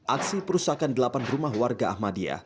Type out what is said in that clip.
aksi perusakan delapan rumah warga ahmadiyah